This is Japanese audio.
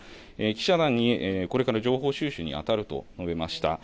記者団に、これから情報収集に当たると述べました。